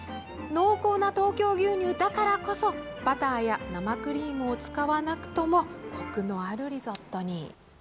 濃厚な東京牛乳だからこそバターや生クリームを使わなくともコクのあるリゾットに。